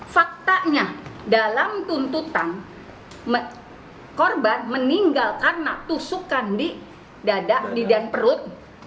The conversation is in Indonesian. faktanya dalam tuntutan korban meninggal karena tusukan di dada di dan perut